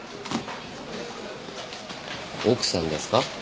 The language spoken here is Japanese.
奥さんですか？